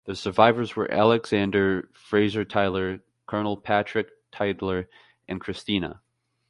The survivors were Alexander Fraser Tytler, Colonel Patrick Tytler, and Christina.